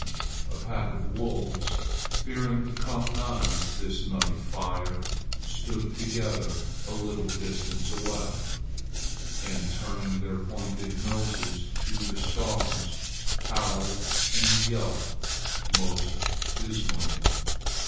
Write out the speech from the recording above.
A pack of wolves, fearing to come nigh this night fire, stood together a little distance away, and, turning their pointed noses to the stars, howled and yelped most dismally.